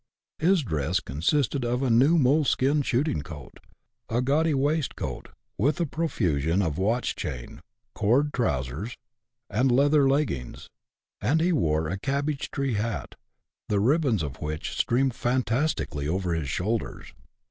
His dress consisted of a new moleskin shooting coat, a gaudy waistcoat, with a profusion of watch chain, cord trowsers, and leather leggings ; and he wore a " cabbage tree " hat, the ribbons of which streamed fantastically over his shoulders.